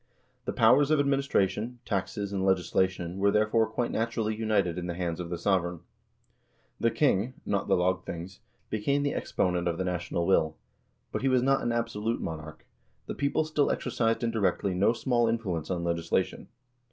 The powers of administration, taxation, and legislation were, therefore, quite naturally united in the hands of the sovereign. The king, not the lagthings, became the exponent of the national will. But he was not an absolute monarch ; the people still exer cised indirectly no small influence on legislation.